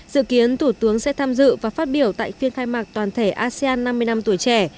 dự kiến thủ tướng sẽ tham dự và phát biểu tại phiên khai mạc toàn thể asean năm mươi năm tuổi trẻ